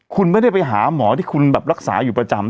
คุณไม่ได้ไปหาหมอที่คุณแบบรักษาอยู่ประจำ